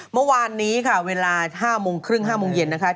เมื่อวานนี้ค่ะเวลา๕โมงครึ่ง๕โมงเย็นนะคะ